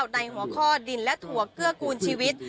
ในหัวข้อดินและถั่วเกื้อกูลชีวิต